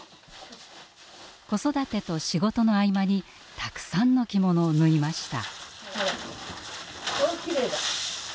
子育てと仕事の合間にたくさんの着物を縫いました。